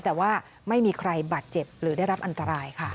แต่ว่าไม่มีใครบาดเจ็บหรือได้รับอันตรายค่ะ